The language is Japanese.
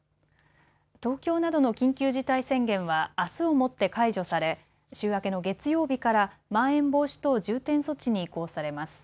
東京などの緊急事態宣言はあすをもって解除され週明けの月曜日からまん延防止等重点措置に移行されます。